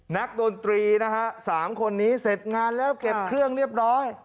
ดนตรีนะฮะ๓คนนี้เสร็จงานแล้วเก็บเครื่องเรียบร้อย